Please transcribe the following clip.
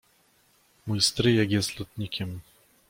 Mój stryjek jest lotnikiem.